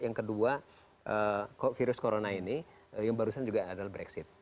yang kedua virus corona ini yang barusan juga adalah brexit